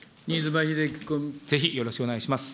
ぜひよろしくお願いいたします。